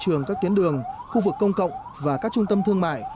trường các tuyến đường khu vực công cộng và các trung tâm thương mại